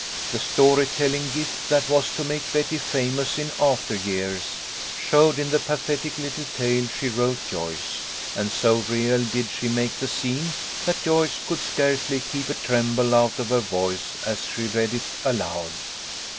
The story telling gift, that was to make Betty famous in after years, showed in the pathetic little tale she wrote Joyce, and so real did she make the scene that Joyce could scarcely keep a tremble out of her voice as she read it aloud.